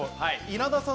稲田さん